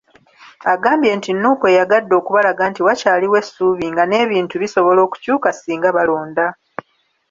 Agambye nti Nuupu eyagadde okubalaga nti wakyaliwo essuubi nga n'ebintu bisobola okukyuka singa babalonda.